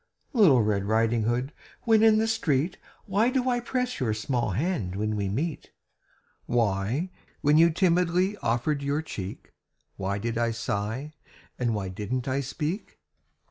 Little Red Riding Hood, when in the street, Why do I press your small hand when we meet? Why, when you timidly offered your cheek, Why did I sigh, and why didn't I speak?